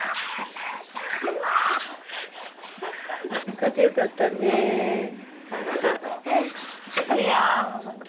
勝ってよかったね、本当。